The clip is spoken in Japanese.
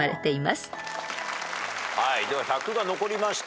では１００が残りましたね。